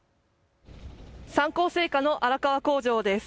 三幸製菓の荒川工場です。